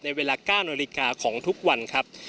ในเวลาก้านอลิกาของทุกวันครับ